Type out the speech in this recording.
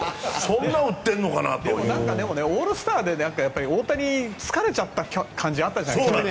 でもオールスターで去年大谷、疲れちゃった感じがあったじゃないですか。